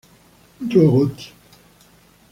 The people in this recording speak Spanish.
Yo Gotti.